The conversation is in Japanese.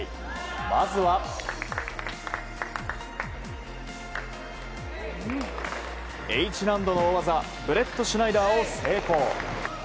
まずは、Ｈ難度の大技ブレットシュナイダーを成功。